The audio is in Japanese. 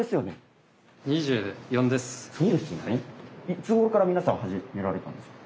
いつごろから皆さん始められたんですか？